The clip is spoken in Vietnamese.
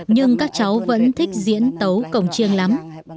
nhưng các cháu vẫn thích diễn tấu cổng chiêng lắm